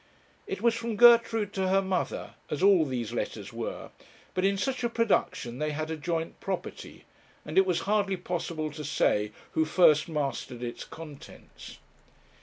It was from Gertrude to her mother, as all these letters were; but in such a production they had a joint property, and it was hardly possible to say who first mastered its contents.